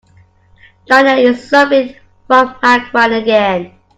Diana is suffering from migraine again.